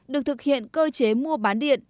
được thực hiện cơ chế mua bán điện